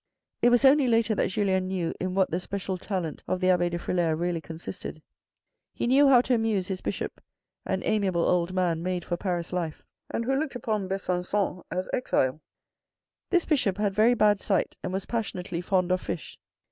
It was only later that Julien knew in what the special talent of the abbe de Frilair really consisted. He knew how to amuse his bishop, an amiable old man made for Paris life, and 2i2 THE RED AND THE BLACK who looked upon Besancon as exile. This Bishop had very bad sight, and was passionately fond of fish.